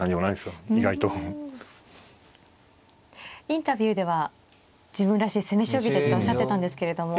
インタビューでは自分らしい攻め将棋でとおっしゃってたんですけれども。